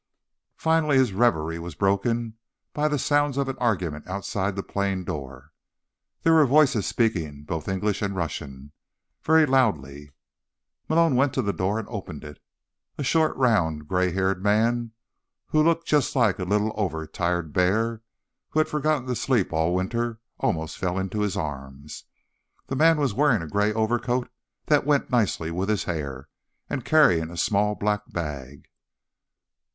Finally, his reverie was broken by the sounds of argument outside the plane door. There were voices speaking both English and Russian, very loudly. Malone went to the door and opened it. A short, round, grey haired man who looked just a little like an over tired bear who had forgotten to sleep all winter almost fell into his arms. The man was wearing a grey overcoat that went nicely with his hair, and carrying a small black bag.